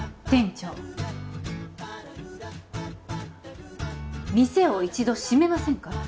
店長店を一度閉めませんか？